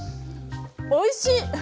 おいしい！